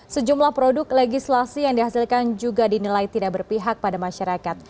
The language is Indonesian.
sejumlah produk legislasi yang dihasilkan juga dinilai tidak berpihak pada masyarakat